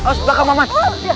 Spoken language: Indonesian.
aus belakang maman